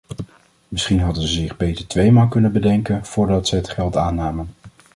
Misschien hadden ze zich beter tweemaal kunnen bedenken voordat ze het geld aannamen.